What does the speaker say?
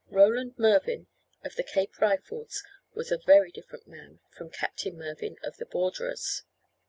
Roland Mervyn, of the Cape Rifles, was a very different man from Captain Mervyn, of the Borderers.